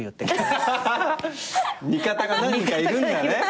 味方が何人かいるんだね。